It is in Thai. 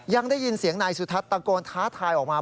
ยังได้ยินเสียงนายสุทัศน์ตะโกนท้าทายออกมา